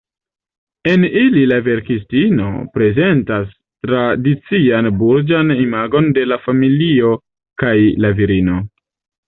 En ili la verkistino prezentas tradician burĝan imagon de la familio kaj la virino.